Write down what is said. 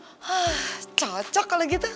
hah cocok kalau gitu